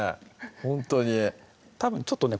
ほんとにたぶんちょっとね